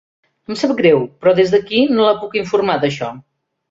Em sap greu, però des d'aquí no la puc informar d'això.